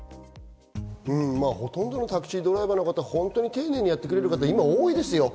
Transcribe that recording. ほとんどのタクシードライバーの方、丁寧にやってくれる方、多いですよ。